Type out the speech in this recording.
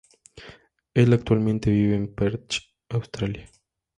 Él actualmente vive en Perth, Australia.